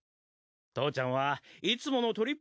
父ちゃんはいつものとりっ